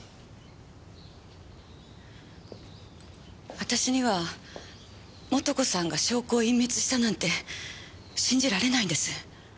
私には素子さんが証拠を隠滅したなんて信じられないんです。